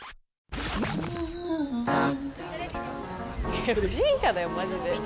いや不審者だよマジで。